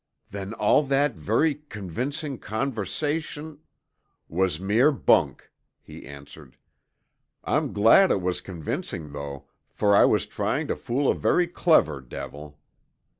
"Then all that very convincing conversation " "Was mere bunk," he answered. "I'm glad it was convincing, though, for I was trying to fool a very clever devil."